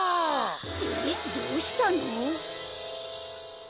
えっどうしたの？